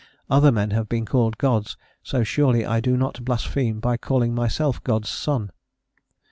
"Other men have been called gods, so surely I do not blaspheme by calling myself God's son."